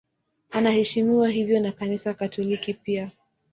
Anaheshimiwa hivyo na Kanisa Katoliki pia.